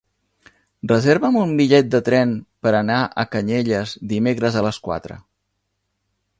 Reserva'm un bitllet de tren per anar a Canyelles dimecres a les quatre.